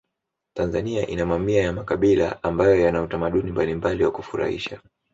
tanzania ina mamia ya makabila ambayo Yana utamaduni mbalimbali wa kufurahisha